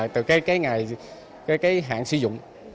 từ cái ngày cái hạn sử dụng